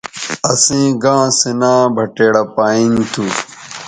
اَسئیں گاں سو ناں بٹیڑہ پائیں تھو۔